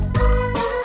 tete aku mau